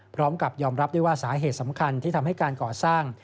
พร้อมกับยอมรับด้วยว่าสาเหตุสำคัญที่ทำให้การก่อสร้าง